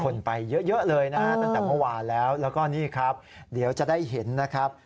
คนไปเยอะเลยนะตั้งแต่เมื่อวานแล้วแล้วก็นี่ครับเดี๋ยวจะได้เห็นนะครับ